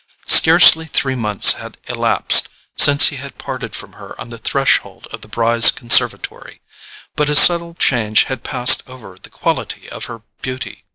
Scarcely three months had elapsed since he had parted from her on the threshold of the Brys' conservatory; but a subtle change had passed over the quality of her beauty.